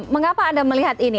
mengapa anda melihat ini